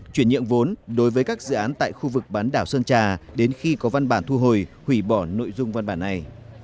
chuyển nhượng vốn đối với các dự án tại khu vực bán đảo sơn trà đến khi có văn bản thu hồi hủy bỏ nội dung văn bản này